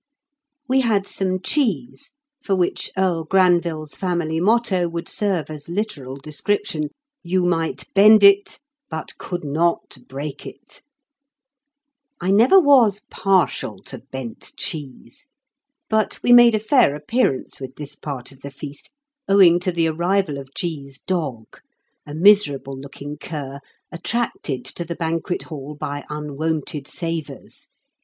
We had some cheese, for which Earl Granville's family motto would serve as literal description. You might bend it, but could not break it. I never was partial to bent cheese, but we made a fair appearance with this part of the feast, owing to the arrival of G.'s dog, a miserable looking cur, attracted to the banquet hall by unwonted savours.